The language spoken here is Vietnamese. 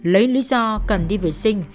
lấy lý do cần đi vệ sinh